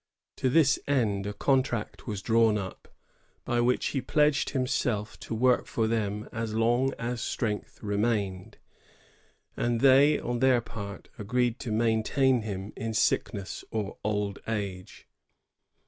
To this end a contract was drawn up, by which he pledged himself to work for them as long as strength remained; and they, on their part, agreed to main tain him in sickness or old age.